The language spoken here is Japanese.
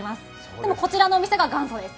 でも、こちらのお店が元祖です。